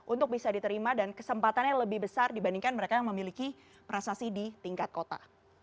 untuk bisa diterima dan kesempatannya lebih besar dibandingkan mereka yang memiliki prestasi di tingkat kota